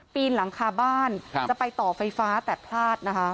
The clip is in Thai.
ปีนหลังคาบ้านจะไปต่อไฟฟ้าแต่พลาดนะคะ